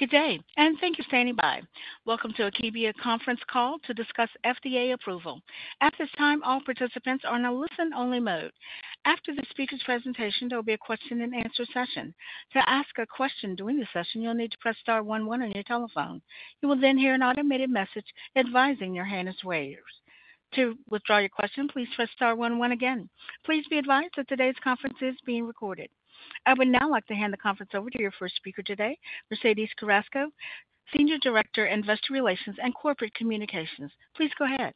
Good day, and thank you for standing by. Welcome to Akebia conference call to discuss FDA approval. At this time, all participants are in a listen-only mode. After the speaker's presentation, there will be a question-and-answer session. To ask a question during the session, you'll need to press star one one on your telephone. You will then hear an automated message advising your hand is raised. To withdraw your question, please press star one one again. Please be advised that today's conference is being recorded. I would now like to hand the conference over to your first speaker today, Mercedes Carrasco, Senior Director, Investor Relations and Corporate Communications. Please go ahead.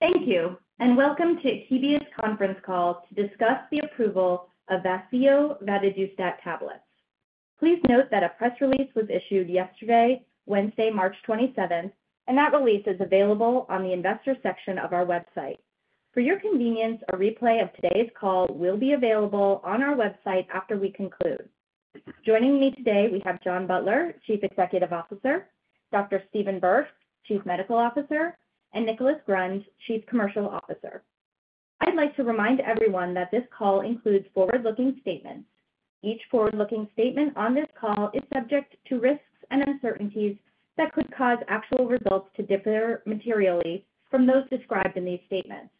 Thank you, and welcome to Akebia's conference call to discuss the approval of Vafseo vadadustat tablets. Please note that a press release was issued yesterday, Wednesday, March 27, and that release is available on the investor section of our website. For your convenience, a replay of today's call will be available on our website after we conclude. Joining me today, we have John Butler, Chief Executive Officer, Dr. Stephen Burke, Chief Medical Officer, and Nicholas Grund, Chief Commercial Officer. I'd like to remind everyone that this call includes forward-looking statements. Each forward-looking statement on this call is subject to risks and uncertainties that could cause actual results to differ materially from those described in these statements.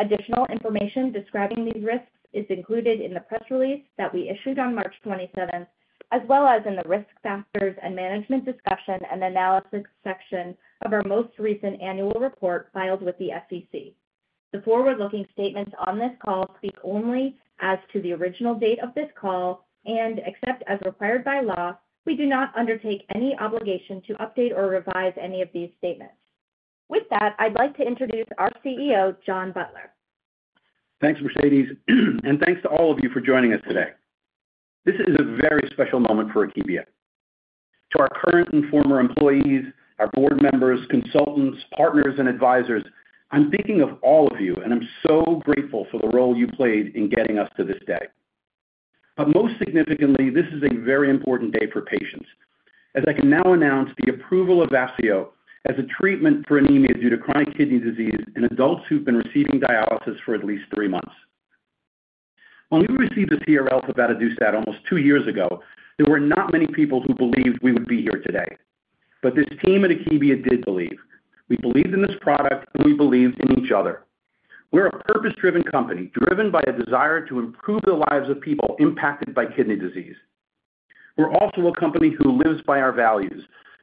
Additional information describing these risks is included in the press release that we issued on March 27th, as well as in the Risk Factors and Management's Discussion and Analysis section of our most recent annual report filed with the SEC. The forward-looking statements on this call speak only as to the original date of this call, and except as required by law, we do not undertake any obligation to update or revise any of these statements. With that, I'd like to introduce our CEO, John Butler. Thanks, Mercedes, and thanks to all of you for joining us today. This is a very special moment for Akebia. To our current and former employees, our board members, consultants, partners, and advisors, I'm thinking of all of you, and I'm so grateful for the role you played in getting us to this day. But most significantly, this is a very important day for patients, as I can now announce the approval of Vafseo as a treatment for anemia due to chronic kidney disease in adults who've been receiving dialysis for at least three months. When we received the CRL for vadadustat almost two years ago, there were not many people who believed we would be here today. But this team at Akebia did believe. We believed in this product, and we believed in each other. We're a purpose-driven company, driven by a desire to improve the lives of people impacted by kidney disease. We're also a company who lives by our values,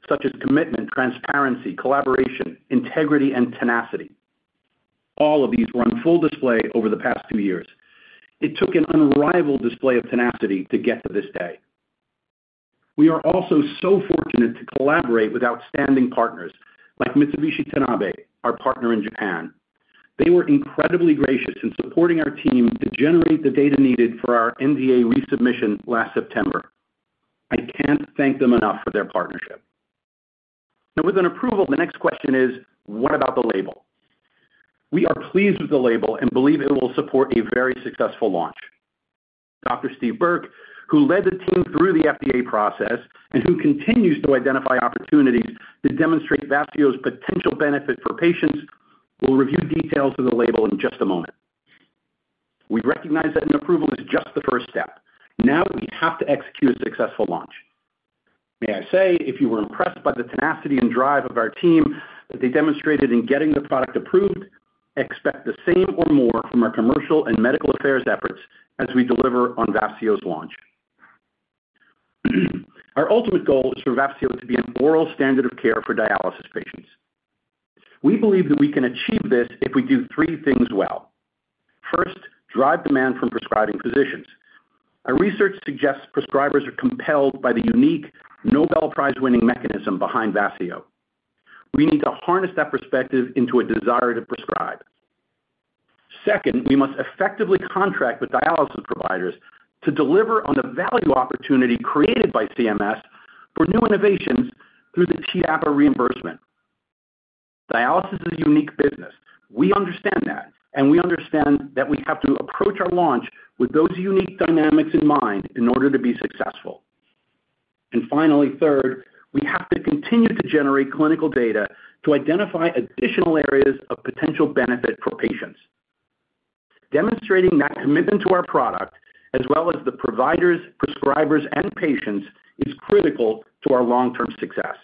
such as commitment, transparency, collaboration, integrity, and tenacity. All of these were on full display over the past two years. It took an unrivaled display of tenacity to get to this day. We are also so fortunate to collaborate with outstanding partners like Mitsubishi Tanabe, our partner in Japan. They were incredibly gracious in supporting our team to generate the data needed for our NDA resubmission last September. I can't thank them enough for their partnership. Now, with an approval, the next question is: What about the label? We are pleased with the label and believe it will support a very successful launch. Dr. Steve Burke, who led the team through the FDA process and who continues to identify opportunities to demonstrate Vafseo's potential benefit for patients, will review details of the label in just a moment. We recognize that an approval is just the first step. Now we have to execute a successful launch. May I say, if you were impressed by the tenacity and drive of our team that they demonstrated in getting the product approved, expect the same or more from our commercial and medical affairs efforts as we deliver on Vafseo's launch. Our ultimate goal is for Vafseo to be an oral standard of care for dialysis patients. We believe that we can achieve this if we do three things well. First, drive demand from prescribing physicians. Our research suggests prescribers are compelled by the unique Nobel Prize-winning mechanism behind Vafseo. We need to harness that perspective into a desire to prescribe. Second, we must effectively contract with dialysis providers to deliver on the value opportunity created by CMS for new innovations through the TDAPA reimbursement. Dialysis is a unique business. We understand that, and we understand that we have to approach our launch with those unique dynamics in mind in order to be successful. Finally, third, we have to continue to generate clinical data to identify additional areas of potential benefit for patients. Demonstrating that commitment to our product, as well as the providers, prescribers, and patients, is critical to our long-term success.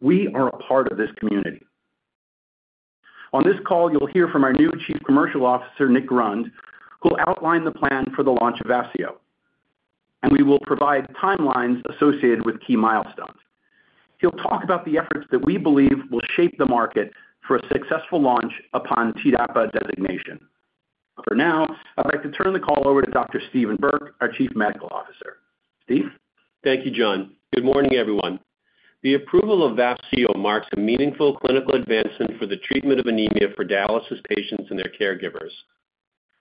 We are a part of this community. On this call, you'll hear from our new Chief Commercial Officer, Nick Grund, who'll outline the plan for the launch of Vafseo, and we will provide timelines associated with key milestones. He'll talk about the efforts that we believe will shape the market for a successful launch upon TDAPA designation. For now, I'd like to turn the call over to Dr. Stephen Burke, our Chief Medical Officer. Steve? Thank you, John. Good morning, everyone. The approval of Vafseo marks a meaningful clinical advancement for the treatment of anemia for dialysis patients and their caregivers.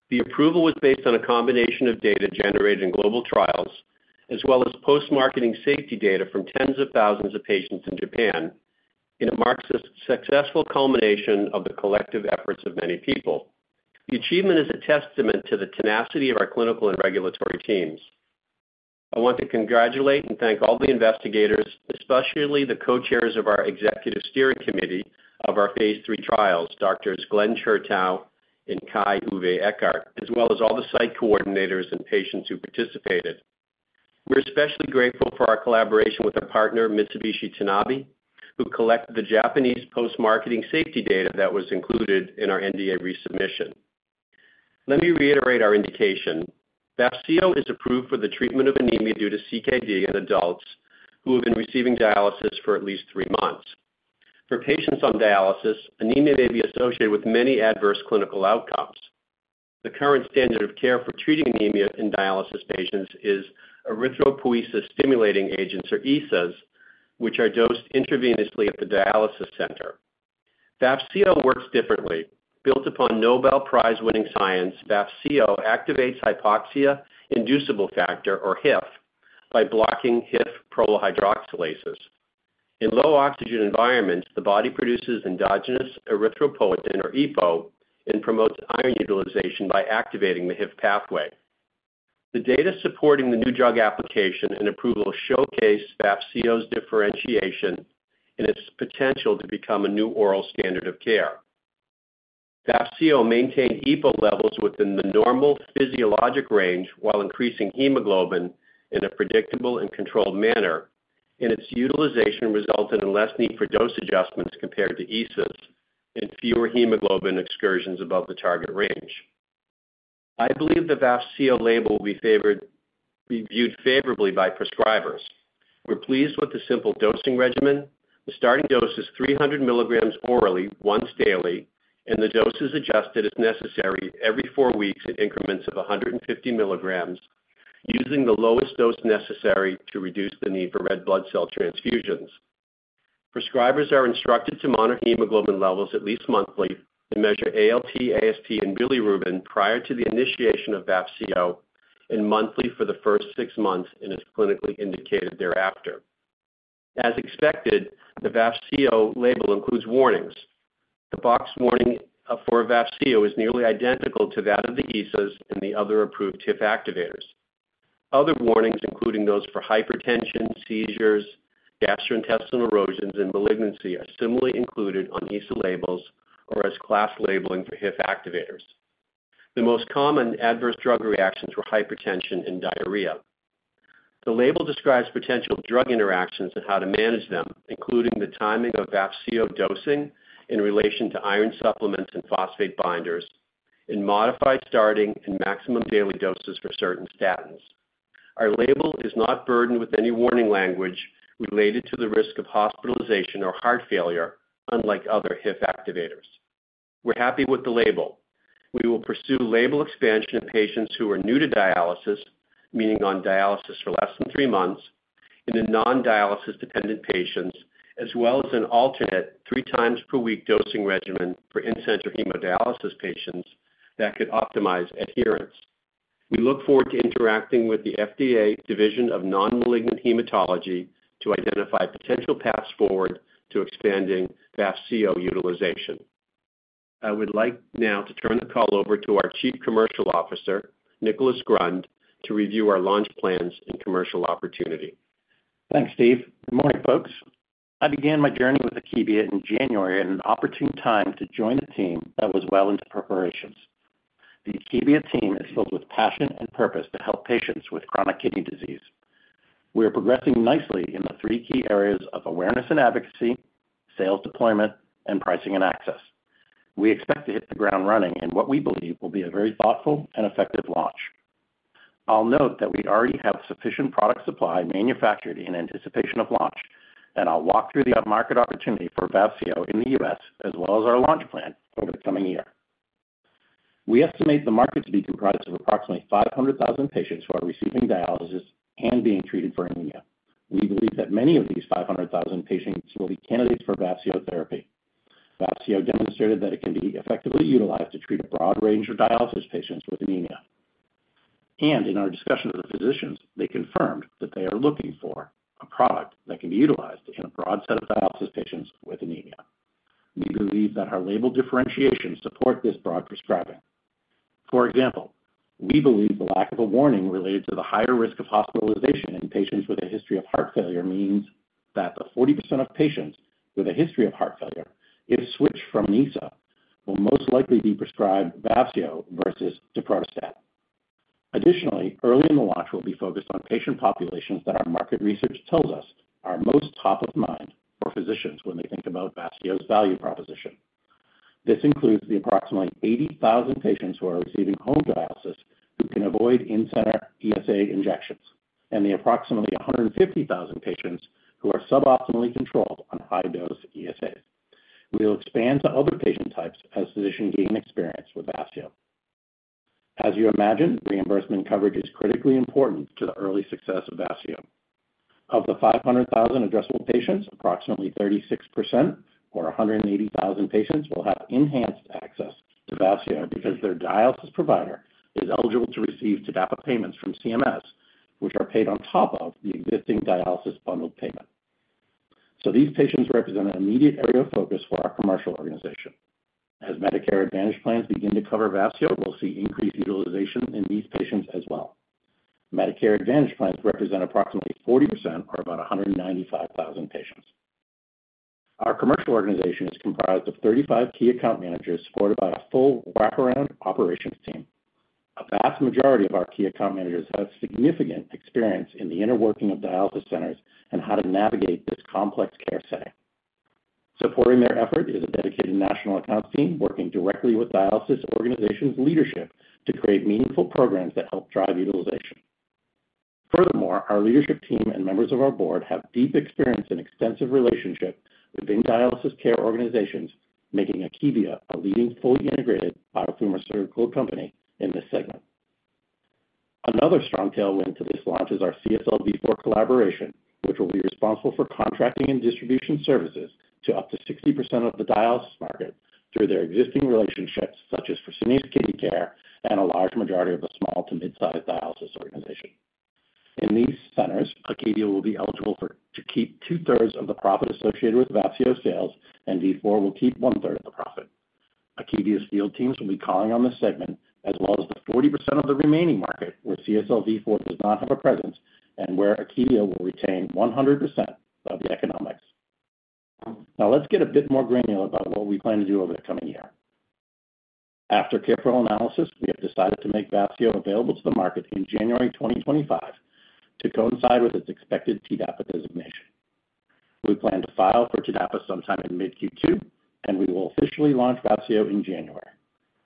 The approval was based on a combination of data generated in global trials, as well as post-marketing safety data from tens of thousands of patients in Japan. It marks a successful culmination of the collective efforts of many people. The achievement is a testament to the tenacity of our clinical and regulatory teams. I want to congratulate and thank all the investigators, especially the co-chairs of our executive steering committee of our phase III trials, Doctors Glenn Chertow and Kai-Uwe Eckardt, as well as all the site coordinators and patients who participated. We're especially grateful for our collaboration with our partner, Mitsubishi Tanabe, who collected the Japanese post-marketing safety data that was included in our NDA resubmission. Let me reiterate our indication. Vafseo is approved for the treatment of anemia due to CKD in adults who have been receiving dialysis for at least three months. For patients on dialysis, anemia may be associated with many adverse clinical outcomes. The current standard of care for treating anemia in dialysis patients is erythropoiesis-stimulating agents, or ESAs, which are dosed intravenously at the dialysis center. Vafseo works differently. Built upon Nobel Prize-winning science, Vafseo activates hypoxia-inducible factor, or HIF, by blocking HIF prolyl hydroxylases. In low oxygen environments, the body produces endogenous erythropoietin, or EPO, and promotes iron utilization by activating the HIF pathway. The data supporting the new drug application and approval showcase Vafseo's differentiation and its potential to become a new oral standard of care. Vafseo maintained EPO levels within the normal physiologic range while increasing hemoglobin in a predictable and controlled manner, and its utilization resulted in less need for dose adjustments compared to ESAs and fewer hemoglobin excursions above the target range. I believe the Vafseo label will be viewed favorably by prescribers. We're pleased with the simple dosing regimen. The starting dose is 300 mg orally once daily, and the dose is adjusted, if necessary, every four weeks in increments of 150 mg, using the lowest dose necessary to reduce the need for red blood cell transfusions. Prescribers are instructed to monitor hemoglobin levels at least monthly and measure ALT, AST, and bilirubin prior to the initiation of Vafseo, and monthly for the first six months, and is clinically indicated thereafter. As expected, the Vafseo label includes warnings. The box warning for Vafseo is nearly identical to that of the ESAs and the other approved HIF activators. Other warnings, including those for hypertension, seizures, gastrointestinal erosions, and malignancy, are similarly included on ESA labels or as class labeling for HIF activators. The most common adverse drug reactions were hypertension and diarrhea. The label describes potential drug interactions and how to manage them, including the timing of Vafseo dosing in relation to iron supplements and phosphate binders, and modified starting and maximum daily doses for certain statins. Our label is not burdened with any warning language related to the risk of hospitalization or heart failure, unlike other HIF activators. We're happy with the label. We will pursue label expansion in patients who are new to dialysis, meaning on dialysis for less than three months, and in non-dialysis-dependent patients, as well as an alternate three times per week dosing regimen for in-center hemodialysis patients that could optimize adherence. We look forward to interacting with the FDA Division of Non-Malignant Hematology to identify potential paths forward to expanding Vafseo utilization. I would like now to turn the call over to our Chief Commercial Officer, Nicholas Grund, to review our launch plans and commercial opportunity. Thanks, Steve. Good morning, folks. I began my journey with Akebia in January at an opportune time to join a team that was well into preparations. The Akebia team is filled with passion and purpose to help patients with chronic kidney disease. We are progressing nicely in the three key areas of awareness and advocacy, sales deployment, and pricing and access. We expect to hit the ground running in what we believe will be a very thoughtful and effective launch. I'll note that we already have sufficient product supply manufactured in anticipation of launch, and I'll walk through the market opportunity for Vafseo in the U.S., as well as our launch plan over the coming year. We estimate the market to be comprised of approximately 500,000 patients who are receiving dialysis and being treated for anemia. We believe that many of these 500,000 patients will be candidates for Vafseo therapy. Vafseo demonstrated that it can be effectively utilized to treat a broad range of dialysis patients with anemia. In our discussion with the physicians, they confirmed that they are looking for a product that can be utilized in a broad set of dialysis patients with anemia. We believe that our label differentiations support this broad prescribing. For example, we believe the lack of a warning related to the higher risk of hospitalization in patients with a history of heart failure means that the 40% of patients with a history of heart failure, if switched from an ESA, will most likely be prescribed Vafseo versus daprodustat. Additionally, early in the launch, we'll be focused on patient populations that our market research tells us are most top of mind for physicians when they think about Vafseo's value proposition. This includes the approximately 80,000 patients who are receiving home dialysis, who can avoid in-center ESA injections, and the approximately 150,000 patients who are suboptimally controlled on high-dose ESAs. We will expand to other patient types as physicians gain experience with Vafseo. As you imagine, reimbursement coverage is critically important to the early success of Vafseo. Of the 500,000 addressable patients, approximately 36% or 180,000 patients will have enhanced access to Vafseo because their dialysis provider is eligible to receive TDAPA payments from CMS, which are paid on top of the existing dialysis bundled payment. So these patients represent an immediate area of focus for our commercial organization. As Medicare Advantage plans begin to cover Vafseo, we'll see increased utilization in these patients as well. Medicare Advantage plans represent approximately 40% or about 195,000 patients. Our commercial organization is comprised of 35 key account managers, supported by a full wraparound operations team. A vast majority of our key account managers have significant experience in the inner workings of dialysis centers and how to navigate this complex care setting. Supporting their effort is a dedicated national accounts team, working directly with dialysis organizations' leadership to create meaningful programs that help drive utilization. Furthermore, our leadership team and members of our board have deep experience and extensive relationships within dialysis care organizations, making Akebia a leading, fully integrated biopharmaceutical company in this segment. Another strong tailwind to this launch is our CSL Vifor collaboration, which will be responsible for contracting and distribution services to up to 60% of the dialysis market through their existing relationships, such as for Fresenius Kidney Care and a large majority of the small to mid-sized dialysis organization. In these centers, Akebia will be eligible for, to keep 2/3 of the profit associated with Vafseo sales, and Vifor will keep 1/3 of the profit. Akebia's field teams will be calling on this segment, as well as the 40% of the remaining market, where CSL Vifor does not have a presence and where Akebia will retain 100% of the economics. Now, let's get a bit more granular about what we plan to do over the coming year. After careful analysis, we have decided to make Vafseo available to the market in January 2025 to coincide with its expected TDAPA designation. We plan to file for TDAPA sometime in mid-Q2, and we will officially launch Vafseo in January.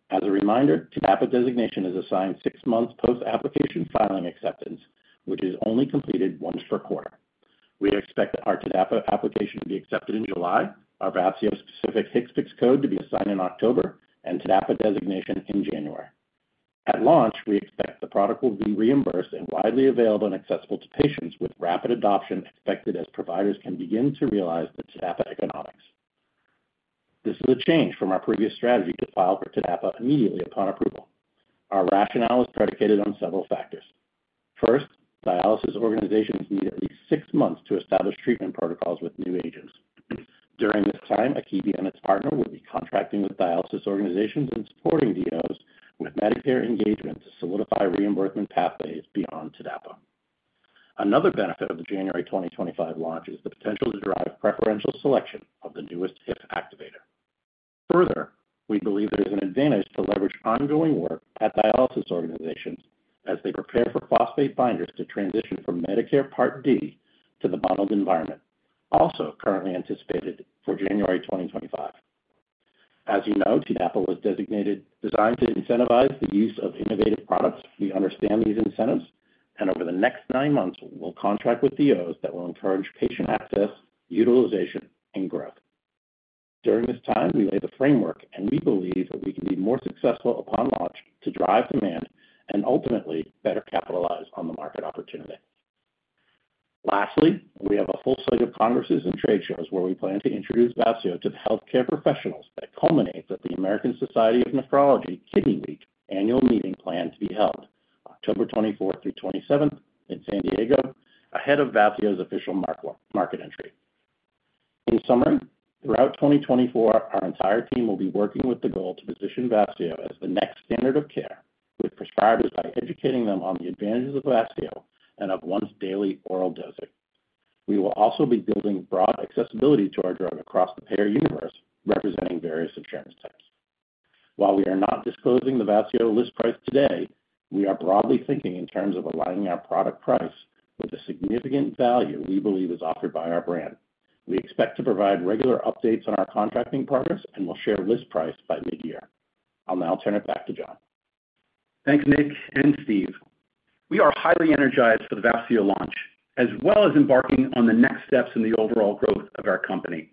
As a reminder, TDAPA designation is assigned six months post-application filing acceptance, which is only completed once per quarter. We expect our TDAPA application to be accepted in July, our Vafseo-specific HCPCS code to be assigned in October, and TDAPA designation in January. At launch, we expect the product will be reimbursed and widely available and accessible to patients, with rapid adoption expected as providers can begin to realize the TDAPA economics. This is a change from our previous strategy to file for TDAPA immediately upon approval. Our rationale is predicated on several factors. First, dialysis organizations need at least six months to establish treatment protocols with new agents. During this time, Akebia and its partner will be contracting with dialysis organizations and supporting DOs with Medicare engagement to solidify reimbursement pathways beyond TDAPA. Another benefit of the January 2025 launch is the potential to derive preferential selection of the newest HIF activator. Further, we believe there is an advantage to leverage ongoing work at dialysis organizations as they prepare for phosphate binders to transition from Medicare Part D to the modeled environment, also currently anticipated for January 2025. As you know, TDAPA was designed to incentivize the use of innovative products. We understand these incentives, and over the next nine months, we'll contract with DOs that will encourage patient access, utilization, and growth. During this time, we lay the framework, and we believe that we can be more successful upon launch to drive demand and ultimately better capitalize on the market opportunity. Lastly, we have a full slate of congresses and trade shows where we plan to introduce Vafseo to the healthcare professionals that culminates with the American Society of Nephrology Kidney Week annual meeting, planned to be held October 24th through 27th in San Diego, ahead of Vafseo's official market entry. In summary, throughout 2024, our entire team will be working with the goal to position Vafseo as the next standard of care with prescribers by educating them on the advantages of Vafseo and of once-daily oral dosing. We will also be building broad accessibility to our drug across the payer universe, representing various insurance types. While we are not disclosing the Vafseo list price today, we are broadly thinking in terms of aligning our product price with the significant value we believe is offered by our brand. We expect to provide regular updates on our contracting progress, and we'll share list price by mid-year. I'll now turn it back to John. Thanks, Nick and Steve. We are highly energized for the Vafseo launch, as well as embarking on the next steps in the overall growth of our company.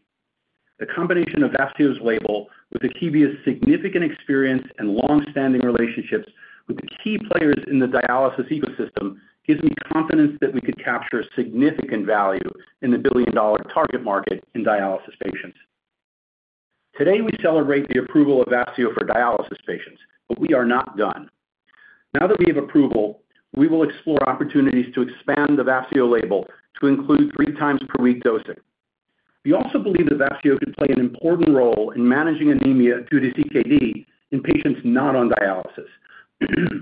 The combination of Vafseo's label with Akebia's significant experience and long-standing relationships with the key players in the dialysis ecosystem, gives me confidence that we could capture significant value in the billion-dollar target market in dialysis patients. Today, we celebrate the approval of Vafseo for dialysis patients, but we are not done. Now that we have approval, we will explore opportunities to expand the Vafseo label to include three times per week dosing. We also believe that Vafseo could play an important role in managing anemia due to CKD in patients not on dialysis.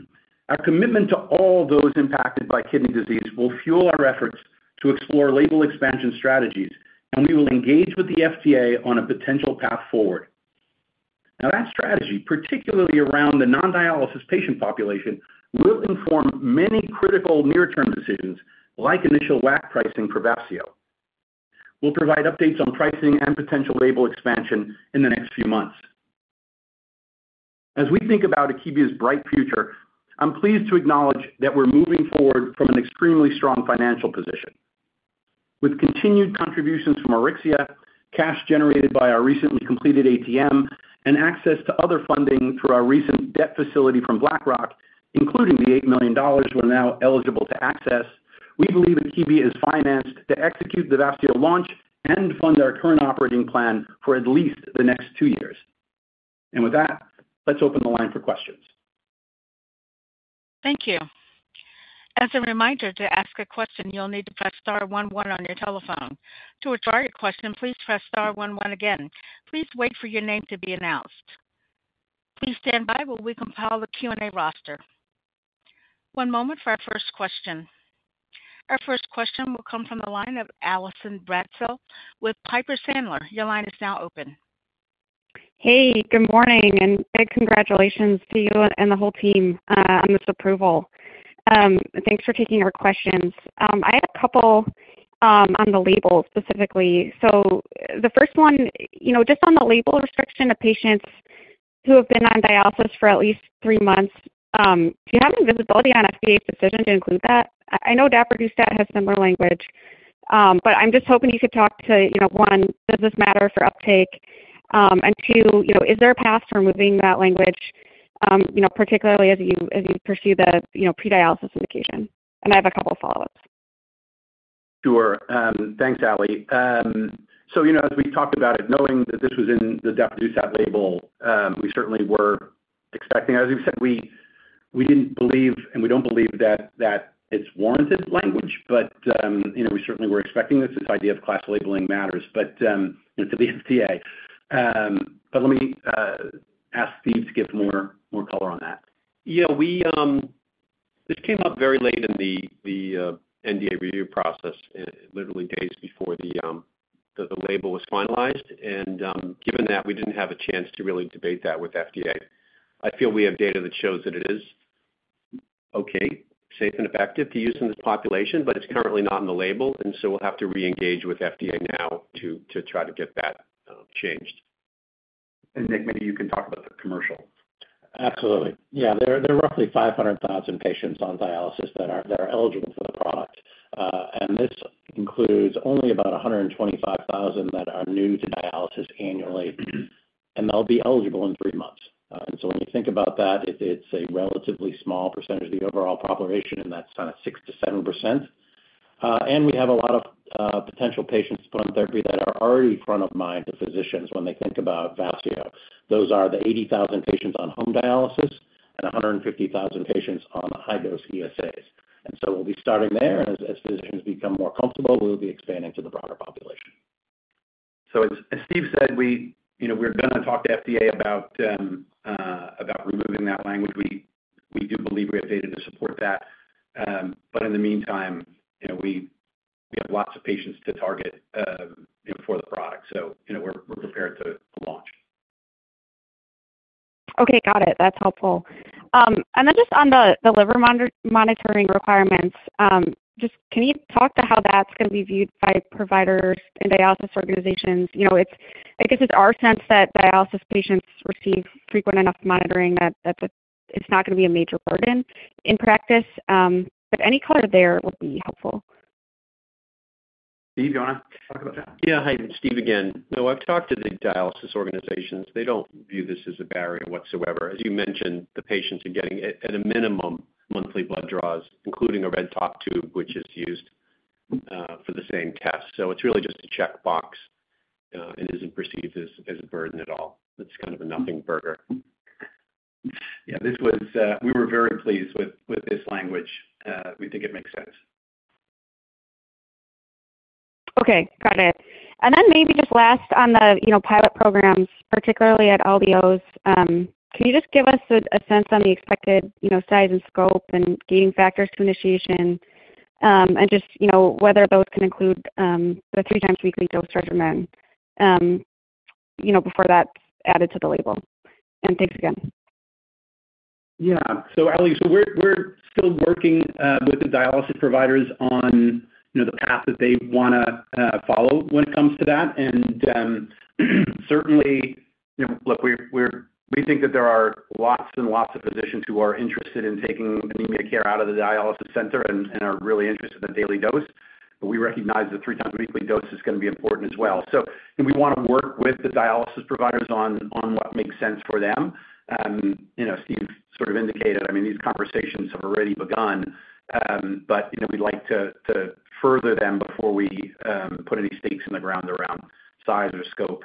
Our commitment to all those impacted by kidney disease will fuel our efforts to explore label expansion strategies, and we will engage with the FDA on a potential path forward. Now, that strategy, particularly around the non-dialysis patient population, will inform many critical near-term decisions, like initial WAC pricing for Vafseo. We'll provide updates on pricing and potential label expansion in the next few months. As we think about Akebia's bright future, I'm pleased to acknowledge that we're moving forward from an extremely strong financial position. With continued contributions from Auryxia, cash generated by our recently completed ATM, and access to other funding through our recent debt facility from BlackRock, including the $8 million we're now eligible to access, we believe Akebia is financed to execute the Vafseo launch and fund our current operating plan for at least the next two years. With that, let's open the line for questions. Thank you. As a reminder, to ask a question, you'll need to press star one one on your telephone. To withdraw your question, please press star one one again. Please wait for your name to be announced. Please stand by while we compile the Q&A roster. One moment for our first question. Our first question will come from the line of Allison Bratzel with Piper Sandler. Your line is now open. Hey, good morning, and big congratulations to you and the whole team on this approval. Thanks for taking our questions. I had a couple on the label specifically. So the first one, you know, just on the label restriction of patients who have been on dialysis for at least three months, do you have any visibility on FDA's decision to include that? I know daprodustat has similar language, but I'm just hoping you could talk to, you know, one, does this matter for uptake? And two, you know, is there a path to removing that language, you know, particularly as you pursue the pre-dialysis indication? And I have a couple follow-ups. Sure. Thanks, Ally. So, you know, as we talked about it, knowing that this was in the daprodustat label, we certainly were expecting. As we've said, we didn't believe, and we don't believe that it's warranted language, but, you know, we certainly were expecting this. This idea of class labeling matters, but it's the FDA. But let me ask Steve to give more color on that. Yeah, this came up very late in the NDA review process, literally days before the label was finalized. And given that, we didn't have a chance to really debate that with FDA. I feel we have data that shows that it is okay, safe and effective to use in this population, but it's currently not in the label, and so we'll have to reengage with FDA now to try to get that changed. Nick, maybe you can talk about the commercial. Absolutely. Yeah, there are roughly 500,000 patients on dialysis that are eligible for the product. And this includes only about 125,000 that are new to dialysis annually, and they'll be eligible in three months. And so when you think about that, it's a relatively small percentage of the overall population, and that's kind of 6%-7%. And we have a lot of potential patients from therapy that are already front of mind to physicians when they think about Vafseo. Those are the 80,000 patients on home dialysis and 150,000 patients on high-dose ESAs. And so we'll be starting there, and as physicians become more comfortable, we'll be expanding to the broader population. So, as Steve said, we, you know, we're gonna talk to FDA about removing that language. We do believe we have data to support that. But in the meantime, you know, we have lots of patients to target, you know, for the product. So, you know, we're prepared to launch. Okay, got it. That's helpful. And then just on the liver monitoring requirements, just can you talk to how that's gonna be viewed by providers and dialysis organizations? You know, I guess it's our sense that dialysis patients receive frequent enough monitoring, that that's not gonna be a major burden in practice, but any color there would be helpful. Steve, do you wanna talk about that? Yeah. Hi, Steve again. So I've talked to the dialysis organizations. They don't view this as a barrier whatsoever. As you mentioned, the patients are getting at a minimum, monthly blood draws, including a red top tube, which is used for the same test. So it's really just a checkbox, and isn't perceived as a burden at all. It's kind of a nothing burger. Yeah, this was. We were very pleased with this language. We think it makes sense. Okay, got it. And then maybe just last on the, you know, pilot programs, particularly at LDOs, can you just give us a sense on the expected, you know, size and scope and gating factors to initiation? And just, you know, whether those can include the three times weekly dose recommend, you know, before that's added to the label. And thanks again. Yeah. So Ally, so we're still working with the dialysis providers on, you know, the path that they wanna follow when it comes to that. And certainly, you know, look, we think that there are lots and lots of physicians who are interested in taking anemia care out of the dialysis center and are really interested in a daily dose, but we recognize the three-times-weekly dose is gonna be important as well. So, and we wanna work with the dialysis providers on what makes sense for them. You know, Steve sort of indicated, I mean, these conversations have already begun, but, you know, we'd like to further them before we put any stakes in the ground around size or scope.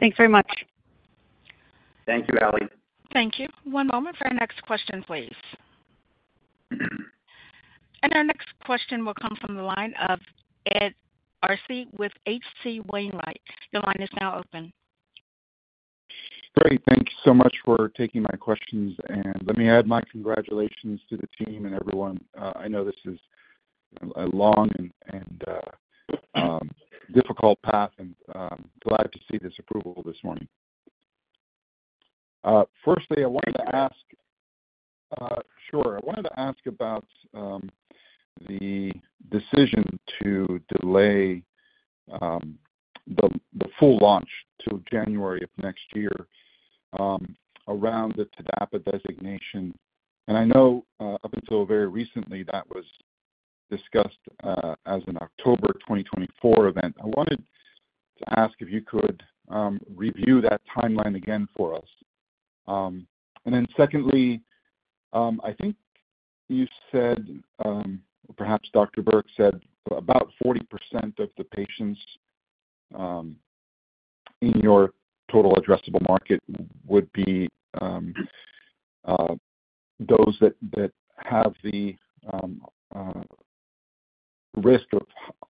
Thanks very much. Thank you, Ally. Thank you. One moment for our next question, please. Our next question will come from the line of Ed Arce with H.C. Wainwright. Your line is now open. Great. Thank you so much for taking my questions, and let me add my congratulations to the team and everyone. I know this is a long and difficult path, and glad to see this approval this morning. Firstly, I wanted to ask, sure. I wanted to ask about the decision to delay the full launch till January of next year, around the TDAPA designation. And I know up until very recently, that was discussed as an October 2024 event. I wanted to ask if you could review that timeline again for us. And then secondly, I think you said, perhaps Dr. Burke said about 40% of the patients in your total addressable market would be those that have the... risk of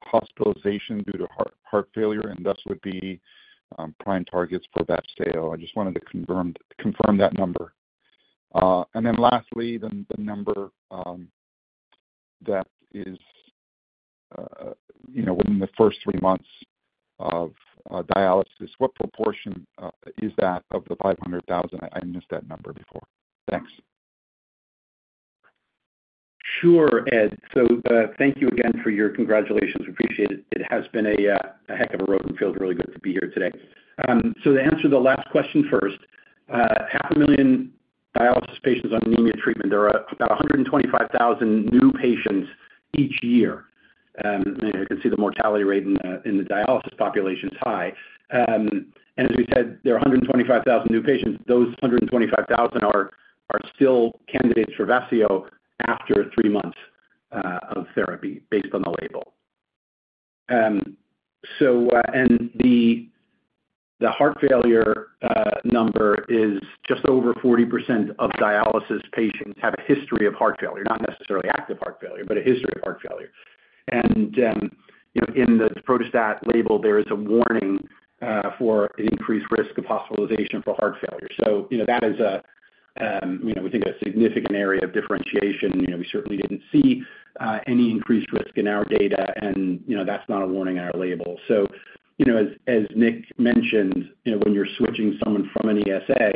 hospitalization due to heart failure, and thus would be prime targets for Vafseo. I just wanted to confirm that number. And then lastly, the number that is, you know, within the first three months of dialysis, what proportion is that of the 500,000? I missed that number before. Thanks. Sure, Ed. So, thank you again for your congratulations. Appreciate it. It has been a heck of a road, and it feels really good to be here today. So to answer the last question first, 500,000 dialysis patients on anemia treatment, there are about 125,000 new patients each year. You can see the mortality rate in the dialysis population is high. And as we said, there are 125,000 new patients. Those 125,000 are still candidates for Vafseo after three months of therapy based on the label. So, and the heart failure number is just over 40% of dialysis patients have a history of heart failure, not necessarily active heart failure, but a history of heart failure. You know, in the daprodustat label, there is a warning for an increased risk of hospitalization for heart failure. So, you know, that is a you know, we think a significant area of differentiation. You know, we certainly didn't see any increased risk in our data and, you know, that's not a warning on our label. So, you know, as, as Nick mentioned, you know, when you're switching someone from an ESA,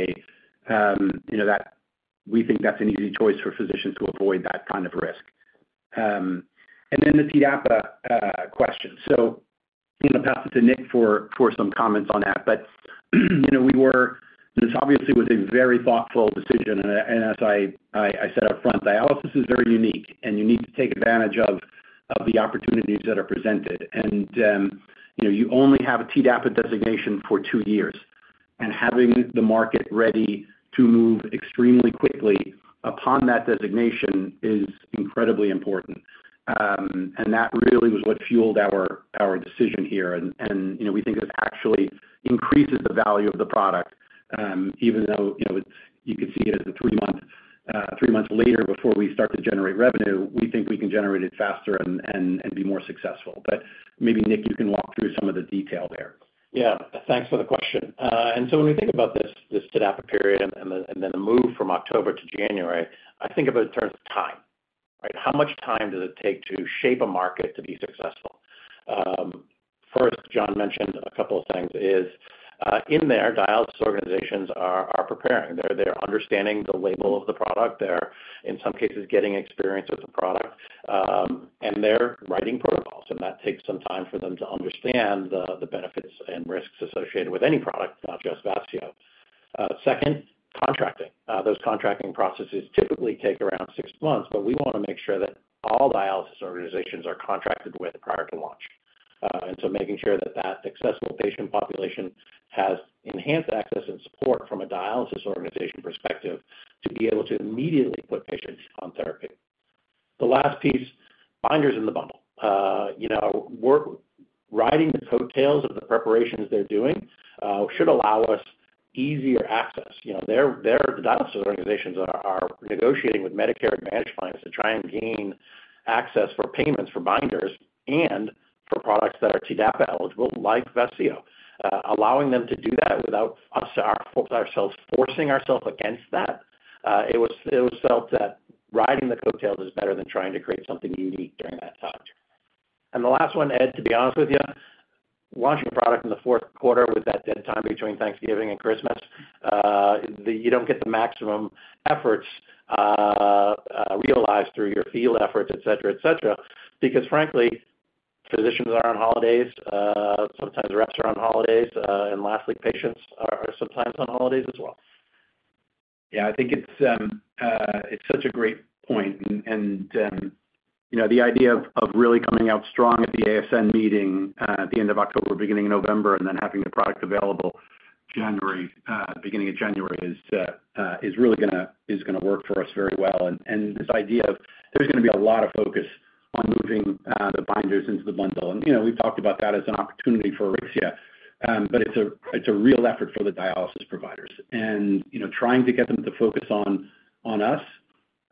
you know, that we think that's an easy choice for physicians to avoid that kind of risk. And then the TDAPA question. So, I'm going to pass it to Nick for some comments on that. But, you know, this obviously was a very thoughtful decision, and as I said up front, dialysis is very unique, and you need to take advantage of the opportunities that are presented. And, you know, you only have a TDAPA designation for two years, and having the market ready to move extremely quickly upon that designation is incredibly important. And that really was what fueled our decision here, and you know, we think this actually increases the value of the product, even though, you know, it's, you could see it as a three-month three months later before we start to generate revenue, we think we can generate it faster and be more successful. But maybe, Nick, you can walk through some of the detail there. Yeah, thanks for the question. And so when we think about this, this TDAPA period and the and then the move from October to January, I think about it in terms of time, right? How much time does it take to shape a market to be successful? First, John mentioned a couple of things is, in there, dialysis organizations are preparing. They're understanding the label of the product. They're, in some cases, getting experience with the product, and they're writing protocols, and that takes some time for them to understand the benefits and risks associated with any product, not just Vafseo. Second, contracting. Those contracting processes typically take around six months, but we want to make sure that all dialysis organizations are contracted with prior to launch. Making sure that that accessible patient population has enhanced access and support from a dialysis organization perspective to be able to immediately put patients on therapy. The last piece, binders in the bundle. You know, we're riding the coattails of the preparations they're doing, should allow us easier access. You know, their dialysis organizations are negotiating with Medicare Advantage plans to try and gain access for payments for binders and for products that are TDAPA eligible, like Vafseo. Allowing them to do that without us ourselves forcing ourselves against that, it was felt that riding the coattails is better than trying to create something unique during that time. The last one, Ed, to be honest with you, launching a product in the fourth quarter with that dead time between Thanksgiving and Christmas, you don't get the maximum efforts realized through your field efforts, et cetera, et cetera, because frankly, physicians are on holidays, sometimes reps are on holidays, and lastly, patients are sometimes on holidays as well. Yeah, I think it's such a great point. You know, the idea of really coming out strong at the ASN meeting at the end of October, beginning of November, and then having the product available January, beginning of January is really gonna, is gonna work for us very well. This idea of there's gonna be a lot of focus on moving the binders into the bundle. You know, we've talked about that as an opportunity for Auryxia, but it's a real effort for the dialysis providers. You know, trying to get them to focus on, on us,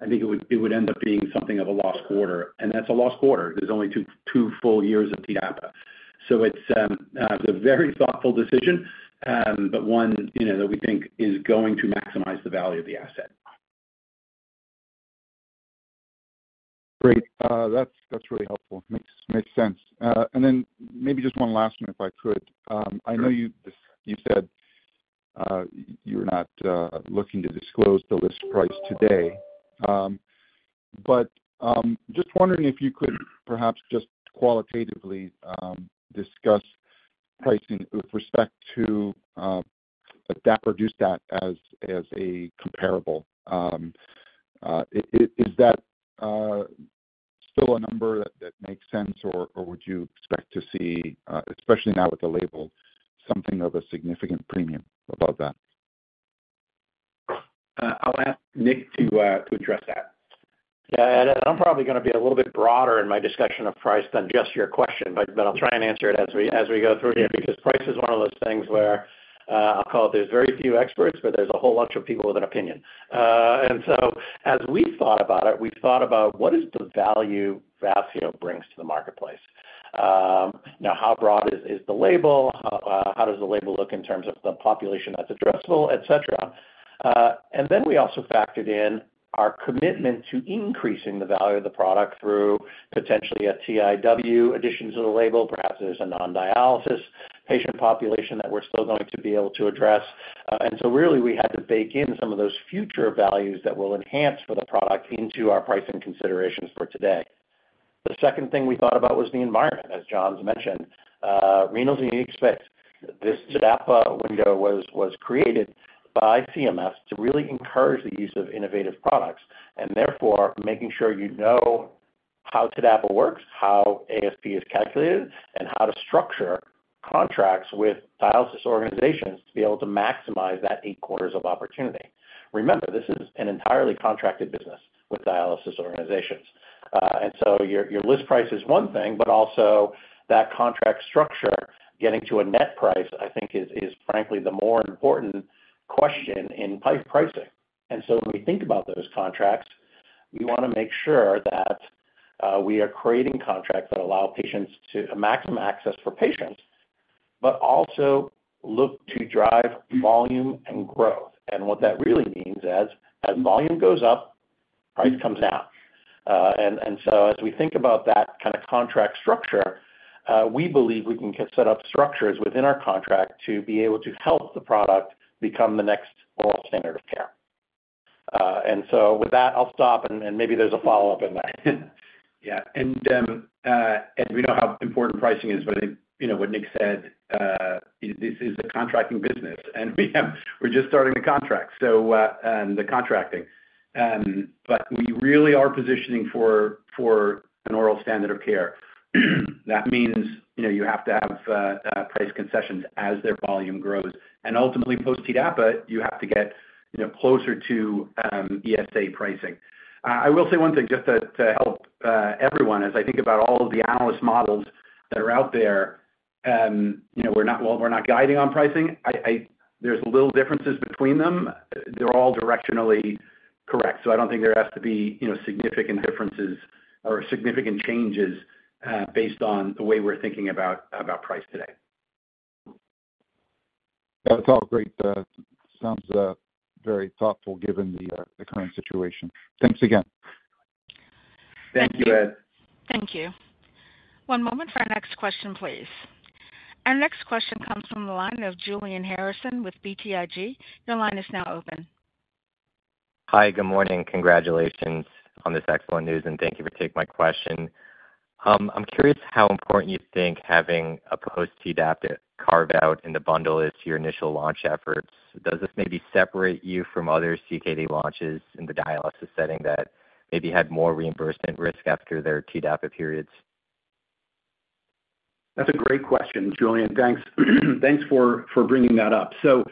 I think it would, it would end up being something of a lost quarter, and that's a lost quarter. There's only two full years of TDAPA. So it's a very thoughtful decision, but one, you know, that we think is going to maximize the value of the asset. Great. That's, that's really helpful. Makes, makes sense. And then maybe just one last one, if I could. Sure. I know you said you're not looking to disclose the list price today, but just wondering if you could perhaps just qualitatively discuss pricing with respect to daprodustat as a comparable. Is that still a number that makes sense, or would you expect to see, especially now with the label, something of a significant premium above that? I'll ask Nick to address that. Yeah, Ed, I'm probably gonna be a little bit broader in my discussion of price than just your question, but I'll try and answer it as we go through here, because price is one of those things where I'll call it, there's very few experts, but there's a whole bunch of people with an opinion. And so as we thought about it, we thought about what is the value Vafseo brings to the marketplace? Now, how broad is the label? How does the label look in terms of the population that's addressable, et cetera? And then we also factored in our commitment to increasing the value of the product through potentially a TIW addition to the label. Perhaps there's a non-dialysis patient population that we're still going to be able to address. So really, we had to bake in some of those future values that will enhance for the product into our pricing considerations for today. The second thing we thought about was the environment, as John's mentioned. Renal is a unique space. This TDAPA window was created by CMS to really encourage the use of innovative products, and therefore, making sure you know how TDAPA works, how ASP is calculated, and how to structure contracts with dialysis organizations to be able to maximize that 8 quarters of opportunity. Remember, this is an entirely contracted business with dialysis organizations. And so your list price is one thing, but also that contract structure, getting to a net price, I think is frankly the more important question in pricing. And so when we think about those contracts, we wanna make sure that we are creating contracts that allow patients to a maximum access for patients, but also look to drive volume and growth. And what that really means is, as volume goes up, price comes down. And so as we think about that kind of contract structure, we believe we can set up structures within our contract to be able to help the product become the next oral standard of care. And so with that, I'll stop, and maybe there's a follow-up in there. Yeah, and we know how important pricing is, but, you know, what Nick said, this is a contracting business, and we're just starting to contract, so, the contracting. But we really are positioning for an oral standard of care. That means, you know, you have to have price concessions as their volume grows. And ultimately, post-TDAPA, you have to get, you know, closer to ESA pricing. I will say one thing, just to help everyone. As I think about all of the analyst models that are out there, you know, we're not, while we're not guiding on pricing, I, there's little differences between them. They're all directionally correct, so I don't think there has to be, you know, significant differences or significant changes based on the way we're thinking about price today. That's all great. Sounds very thoughtful, given the current situation. Thanks again. Thank you, Ed. Thank you. One moment for our next question, please. Our next question comes from the line of Julian Harrison with BTIG. Your line is now open. Hi, good morning. Congratulations on this excellent news, and thank you for taking my question. I'm curious how important you think having a post-TDAPA carve-out in the bundle is to your initial launch efforts. Does this maybe separate you from other CKD launches in the dialysis setting that maybe had more reimbursement risk after their TDAPA periods? That's a great question, Julian. Thanks. Thanks for bringing that up. So,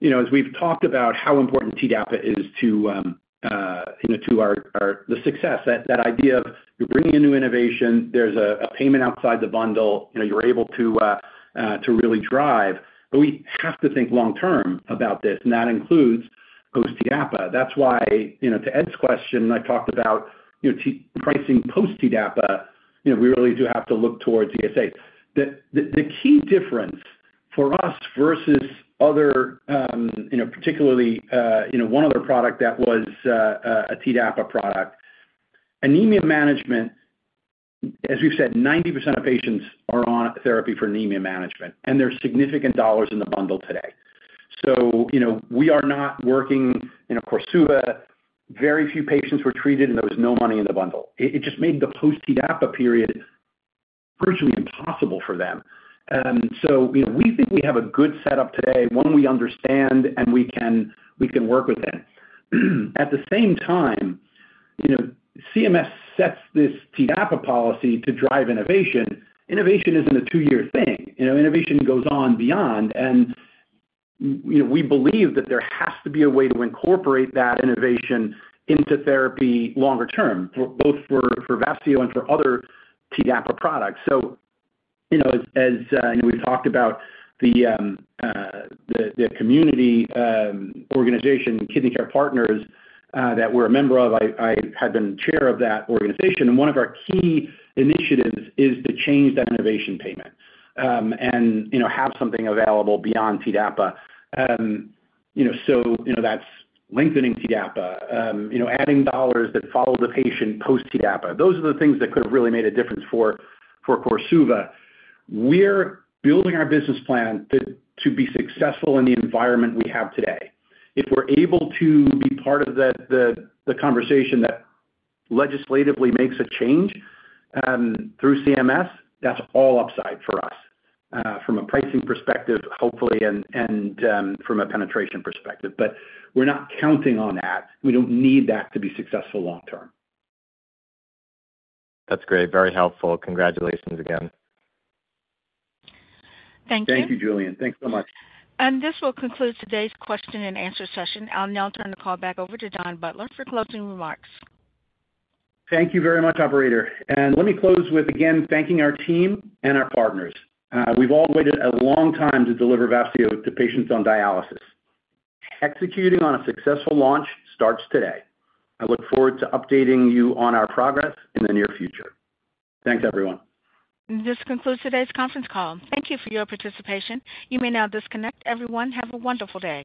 you know, as we've talked about how important TDAPA is to, you know, to our the success, that idea of you're bringing a new innovation, there's a payment outside the bundle, you know, you're able to to really drive. But we have to think long term about this, and that includes post-TDAPA. That's why, you know, to Ed's question, I talked about, you know, the pricing post-TDAPA, you know, we really do have to look towards ESA. The key difference for us versus other, you know, particularly, you know, one other product that was a TDAPA product, anemia management, as we've said, 90% of patients are on therapy for anemia management, and there are significant dollars in the bundle today. So you know, we are not working, you know, Korsuva, very few patients were treated, and there was no money in the bundle. It just made the post-TDAPA period virtually impossible for them. So you know, we think we have a good setup today, one we understand, and we can work with it. At the same time, you know, CMS sets this TDAPA policy to drive innovation. Innovation isn't a two-year thing. You know, innovation goes on beyond, and, you know, we believe that there has to be a way to incorporate that innovation into therapy longer term, for both Vafseo and for other TDAPA products. So, you know, as we talked about the community organization, Kidney Care Partners, that we're a member of, I had been chair of that organization, and one of our key initiatives is to change that innovation payment, and, you know, have something available beyond TDAPA. You know, so, you know, that's lengthening TDAPA, you know, adding dollars that follow the patient post-TDAPA. Those are the things that could have really made a difference for Korsuva. We're building our business plan to be successful in the environment we have today. If we're able to be part of the conversation that legislatively makes a change, through CMS, that's all upside for us, from a pricing perspective, hopefully, and from a penetration perspective. But we're not counting on that. We don't need that to be successful long term. That's great. Very helpful. Congratulations again. Thank you. Thank you, Julian. Thanks so much. This will conclude today's question and answer session. I'll now turn the call back over to John Butler for closing remarks. Thank you very much, operator. Let me close with, again, thanking our team and our partners. We've all waited a long time to deliver Vafseo to patients on dialysis. Executing on a successful launch starts today. I look forward to updating you on our progress in the near future. Thanks, everyone. This concludes today's conference call. Thank you for your participation. You may now disconnect. Everyone, have a wonderful day.